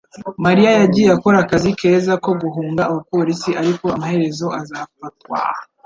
mariya yagiye akora akazi keza ko guhunga abapolisi ariko amaherezo azafatwa